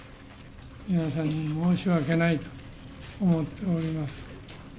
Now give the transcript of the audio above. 皆さんに申し訳ないと思っております。